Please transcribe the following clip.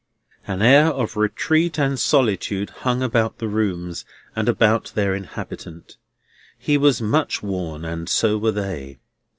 An air of retreat and solitude hung about the rooms and about their inhabitant. He was much worn, and so were they.